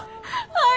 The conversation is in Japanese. はい。